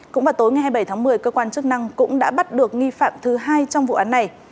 cũng vào tối ngày hai mươi bảy tháng một mươi cơ quan chức năng cũng đã bắt được nghi phạm thứ hai trong vụ án này